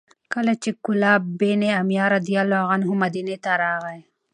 کله چې کلاب بن امیة رضي الله عنه مدینې ته راغی،